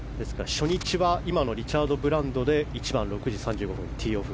初日は今のリチャード・ブランドで１番、６時３５分ティーオフ。